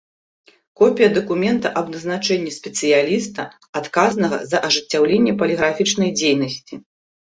Копiя дакумента аб назначэннi спецыялiста, адказнага за ажыццяўленне палiграфiчнай дзейнасцi.